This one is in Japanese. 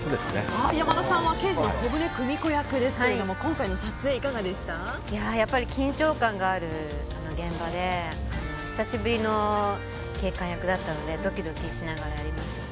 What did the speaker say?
山田さんは刑事の小暮クミコ役ですけどもやっぱり緊張感がある現場で久しぶりの警官役だったのでドキドキしながらやりました。